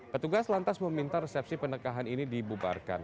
petugas lantas meminta resepsi pernikahan ini dibubarkan